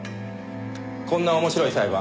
こんな面白い裁判